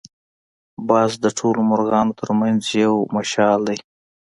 باز د ټولو مرغانو تر منځ یو مشال دی